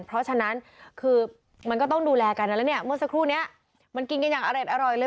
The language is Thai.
เพราะฉะนั้นคือมันก็ต้องดูแลกันนะแล้วเนี่ยเมื่อสักครู่นี้มันกินกันอย่างอร่อยเลย